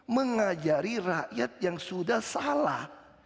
mengajari rakyat yang sudah salah